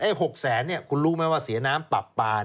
ไอ้๖๐๐๐๐๐นี่คุณรู้ไหมว่าเสียน้ำปับปลา